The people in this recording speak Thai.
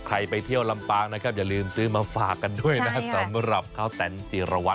ไปเที่ยวลำปางนะครับอย่าลืมซื้อมาฝากกันด้วยนะสำหรับข้าวแตนจิรวัต